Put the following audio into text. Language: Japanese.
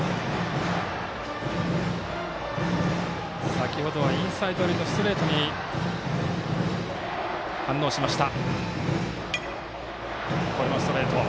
先ほどはインサイド寄りのストレートに反応しました。